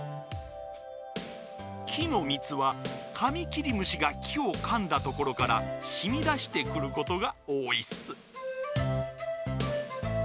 きのみつはカミキリムシがきをかんだところからしみだしてくることがおおいっす。